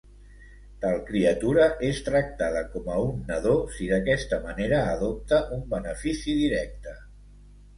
Tal criatura és tractada com a un nadó si d'aquesta manera adopta un benefici directe.